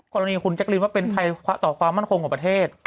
กรณีคุณแจ๊กรีนว่าเป็นภัยต่อความมั่นคงของประเทศ